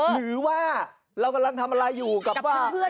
หรือว่าเรากำลังทำอะไรอยู่กับว่า